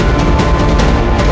aku udah nemuin kebahagiaan aku